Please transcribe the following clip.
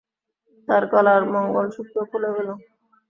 তার গলার মঙ্গলসূত্র খুলে ফেলো।